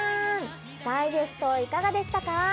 ダイジェストいかがでしたか？